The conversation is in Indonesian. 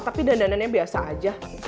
tapi dandanannya biasa aja